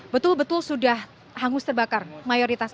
betul betul sudah hangus terbakar mayoritas